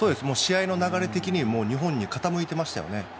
試合の流れ的に日本に傾いていましたね。